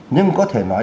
nhưng có thể nói